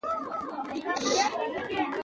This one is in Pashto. غرونه د افغانستان د امنیت په اړه هم اغېز لري.